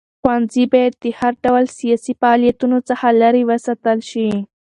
ښوونځي باید د هر ډول سیاسي فعالیتونو څخه لرې وساتل شي.